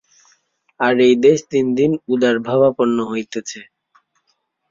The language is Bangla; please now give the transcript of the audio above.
আর এই দেশ দিন দিন উদারভাবাপন্ন হইতেছে।